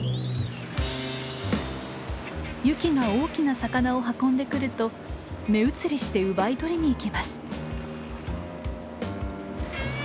ユキが大きな魚を運んでくると目移りして奪い取りにいきます。